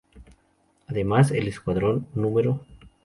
Además, el escuadrón Núm.